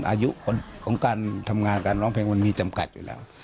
อายุของการทำงานการร้องเพลงมันมีจำกัดอยู่แล้ว